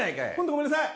ごめんなさい。